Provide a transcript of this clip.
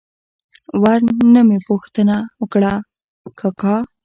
ور نه مې پوښتنه وکړه: کاکا!